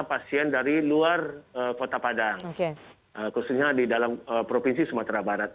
pasien dari luar kota padang khususnya di dalam provinsi sumatera barat